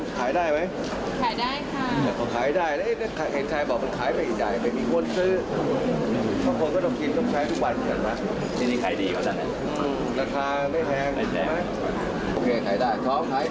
วันนี้มาดูว่ามันเป็นอย่างไรบ้าง